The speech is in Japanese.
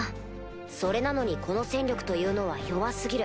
それなのにこの戦力というのは弱過ぎる。